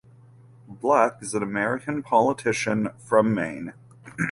Black is an American politician from Maine.